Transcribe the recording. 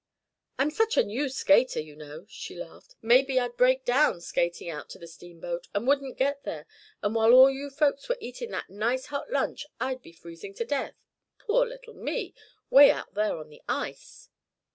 "I'm such a new skater, you know," she laughed. "Maybe I'd break down skating out to the steamboat, and wouldn't get there, and while all you folks were eating that nice hot lunch I'd be freezing to death poor little me! 'way out there on the ice."